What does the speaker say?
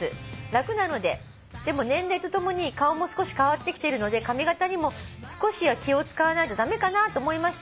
「でも年齢と共に顔も少し変わってきているので髪形にも少しは気を使わないと駄目かなと思いました」